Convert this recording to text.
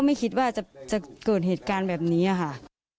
ไม่คิดว่าจะเกิดเหตุการณ์แบบนี้ค่ะ